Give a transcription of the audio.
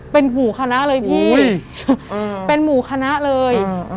เป็นหมู่คณะเลยพี่โอ้ยเออเป็นหมู่คณะเลยเออเออ